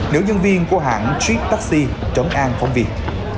nữ nhân viên của hãng triptaxi trấn an phóng viên